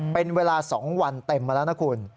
เป็นเวลา๒วันเต็มมาแล้วนะคุณ